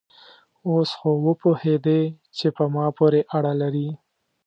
اوس خو وپوهېدې چې په ما پورې اړه لري؟